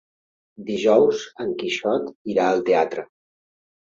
Dijous en Quixot irà al teatre.